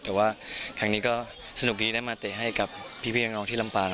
แต่ว่าครั้งนี้ก็สนุกดีได้มาเตะให้กับพี่น้องที่ลำปาง